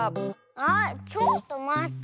あっちょっとまって。